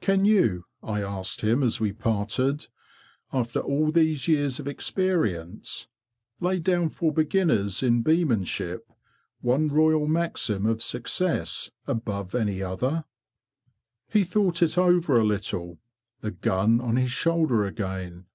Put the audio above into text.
'Can you," I asked him, as we parted, "' after all these years of experience, lay down for beginners in beemanship one royal maxim of success above any other? " THE BEE MASTER OF WARRILOW 23 He thought it over a little, the gun on his shoulder again.